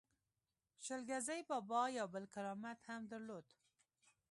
شل ګزی بابا یو بل کرامت هم درلود.